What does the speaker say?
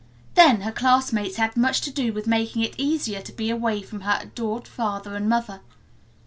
Then, her classmates had much to do with making it easier to be away from her adored father and mother.